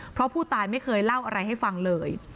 เพราะผู้ตายไม่เคยเล่าอะไรให้ฟังเลย